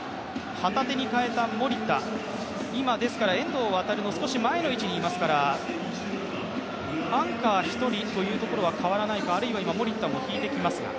旗手に代えた守田、遠藤航の少し前の位置にいますからアンカーに１人というところは変わらないか、あるいは今、守田も引いていきますか。